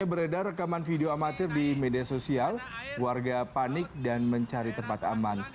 beredar rekaman video amatir di media sosial warga panik dan mencari tempat aman